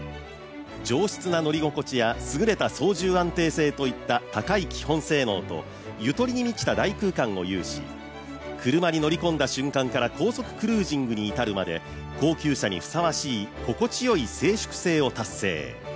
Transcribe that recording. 上質な乗り心地やすぐれた操縦安定性といった高い基本性能とゆとりに満ちた大空間を有し車に乗り込んだ瞬間から高速クルージングに至るまで、高級車にふさわしい心地よい静粛性を達成。